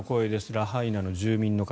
ラハイナの住民の方。